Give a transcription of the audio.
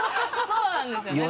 そうなんですよね。